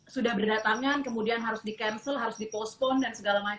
sudah berdatangan kemudian harus di cancel harus di postpone dan segala macem